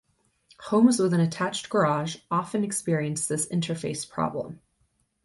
Homes with an attached garage often experience this "interface" problem.